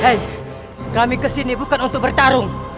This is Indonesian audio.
hei kami kesini bukan untuk bertarung